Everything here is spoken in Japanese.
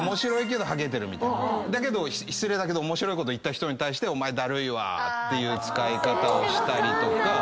失礼だけど面白いこと言った人に対して「お前ダルいわ」っていう使い方をしたりとか。